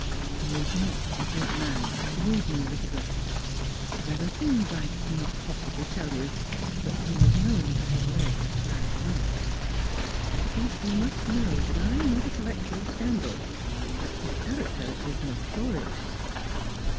He is not a good man, believe me, Elizabeth. There are things I cannot possibly tell you, but he is known to have led a bad life. I think you must know that I am not a collector of scandal, but his character is notorious."